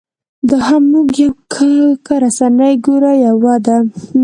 دا هم موږ یو که رسنۍ ګورې یوه ده.